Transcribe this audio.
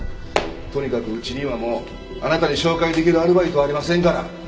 とにかくうちにはもうあなたに紹介出来るアルバイトはありませんから。